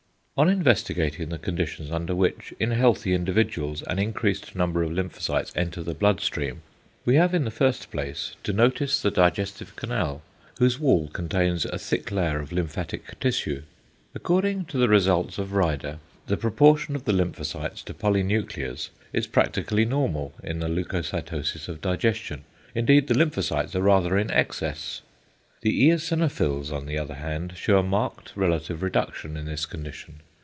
On investigating the conditions under which in healthy individuals an increased number of lymphocytes enter the blood stream, we have in the first place to notice the digestive canal, whose wall contains a thick layer of lymphatic tissue. According to the results of Rieder the proportion of the lymphocytes to polynuclears is practically normal in the leucocytosis of digestion, indeed the lymphocytes are rather in excess. The eosinophils on the other hand shew a marked relative reduction in this condition.